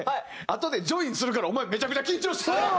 あとでジョインするからお前めちゃくちゃ緊張してるやろ！